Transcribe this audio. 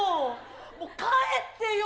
もう帰ってよ。